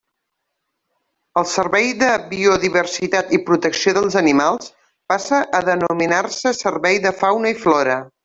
El Servei de Biodiversitat i Protecció dels Animals passa a denominar-se Servei de Fauna i Flora.